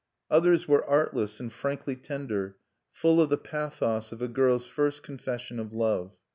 Others were artless and frankly tender, full of the pathos of a girl's first confession of love.